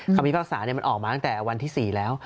พิพากษามันออกมาตั้งแต่วันที่๔แล้ว